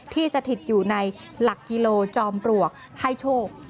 สถิตอยู่ในหลักกิโลจอมปลวกให้โชค